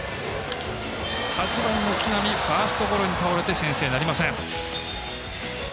８番の木浪、ファーストゴロに倒れて先制なりません。